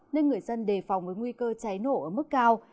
nên người dân đề phòng với nguy cơ cháy nổ ở mức cao